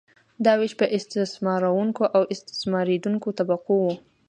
دا ویش په استثمارونکې او استثماریدونکې طبقو وو.